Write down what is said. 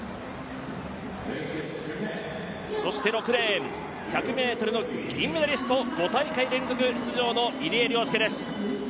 そして６レーン、１００ｍの銀メダリスト、５大会連続出場の入江陵介です。